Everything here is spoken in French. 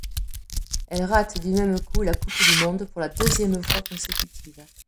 Elle rate du même coup la Coupe du monde pour la deuxième fois consécutive.